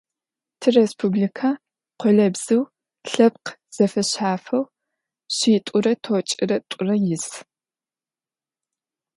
Тиреспубликэ къолэбзыу лъэпкъ зэфэшъхьафэу шъитӏурэ тӏокӏырэ тӏурэ ис.